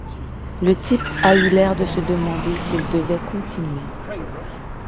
Le type a eu l’air de se demander s’il devait continuer.